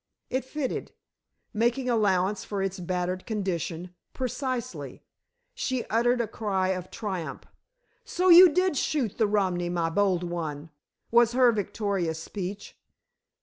It fitted making allowance for its battered condition precisely. She uttered a cry of triumph. "So you did shoot the Romany, my bold one," was her victorious speech.